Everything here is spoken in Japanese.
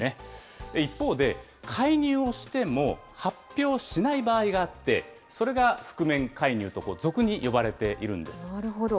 一方で、介入をしても発表しない場合があって、それが覆面介入と、なるほど。